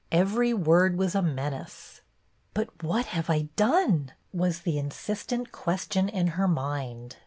Every word was a menace. " But what have I done ?" was the insist ent question in her mind.